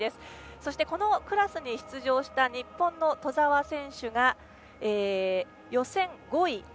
そしてこのクラスに出場した日本の兎澤選手が予選５位。